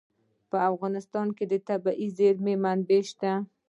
په افغانستان کې د طبیعي زیرمې منابع شته.